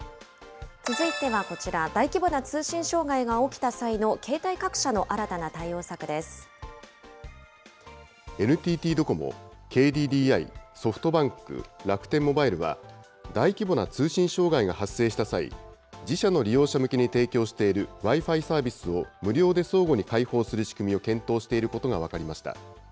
続いてはこちら、大規模な通信障害が起きた際の携帯各社の新ＮＴＴドコモ、ＫＤＤＩ、ソフトバンク、楽天モバイルは、大規模な通信障害が発生した際、自社の利用者向けに提供しているＷｉ−Ｆｉサービスを、無料で相互に開放する仕組みを検討していることが分かりました。